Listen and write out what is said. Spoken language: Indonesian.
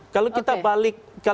kalau kita balik